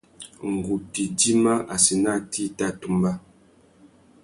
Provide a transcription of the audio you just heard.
Ngu tà idjima assênatê i tà tumba.